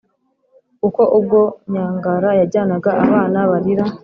kuko ubwo nyangara yajyanaga abana barira,